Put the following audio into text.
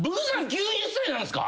９０歳なんですか！？